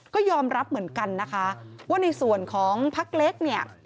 ก็ยอมรับเหมือนกันนะคะว่าในส่วนของพักเล็กเนี่ย